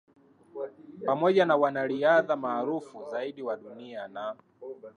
Pamoja na mwanariadha maarufu zaidi wa dunia na